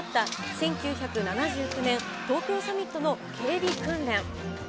１９７９年、東京サミットの警備訓練。